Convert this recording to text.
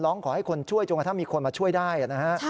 ร้องขอให้คนช่วยจนว่าถ้ามีคนมาช่วยได้อะนะฮะ